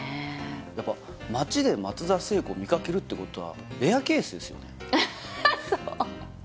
やっぱ街で松田聖子を見かけるってことはレアケースですよねアッハそう？